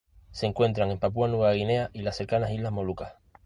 Se encuentran en Papúa Nueva Guinea y las cercanas islas Molucas.